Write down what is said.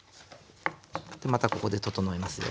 またここで整えますよ。